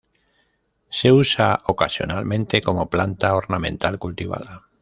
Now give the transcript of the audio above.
Se usa ocasionalmente como planta ornamental, cultivada.